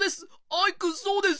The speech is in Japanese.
アイくんそうです。